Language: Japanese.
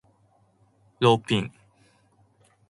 ローピン